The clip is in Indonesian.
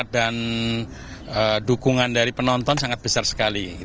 dan dukungan dari penonton sangat besar sekali